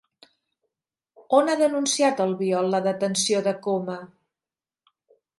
On ha denunciat Albiol la detenció de Coma?